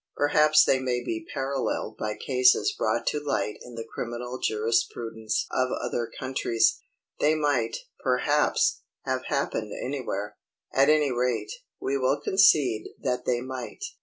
Perhaps they may be paralleled by cases brought to light in the criminal jurisprudence of other countries. They might, perhaps, have happened anywhere; at any rate, we will concede that they might.